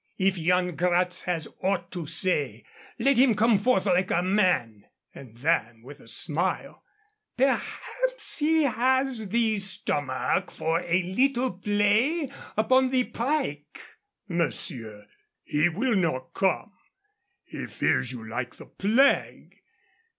If Yan Gratz has aught to say, let him come forth like a man," and then, with a smile, "Perhaps he has the stomach for a little play upon the pike." "Monsieur, he will not come. He fears you like the plague.